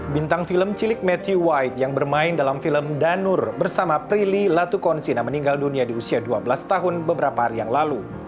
bintang film cilik matthew white yang bermain dalam film danur bersama prilly latukonsina meninggal dunia di usia dua belas tahun beberapa hari yang lalu